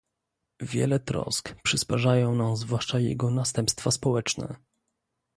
Wiele trosk przysparzają nam zwłaszcza jego następstwa społeczne